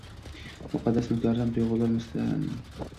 Muqaddas, mukarram tuyg’ularmasmi?!